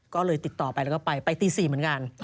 ก็เลยติดต่อไปแล้วก็ไปไปตี๔เหมือนกัน